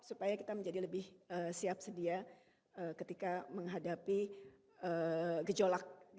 jadi kita menjadi lebih siap sedia ketika menghadapi gejolak